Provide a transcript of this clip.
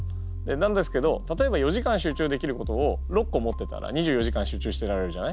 なんですけど例えば４時間集中できることを６個持ってたら２４時間集中してられるじゃない？